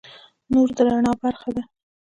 نور د رڼا برخه ده.